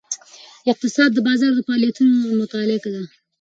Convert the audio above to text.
اقتصاد د بازار د فعالیتونو مطالعه ده.